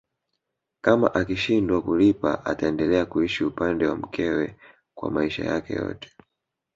Kama akishindwa kulipa ataendelea kuishi upande wa mkewe kwa maisha yake yote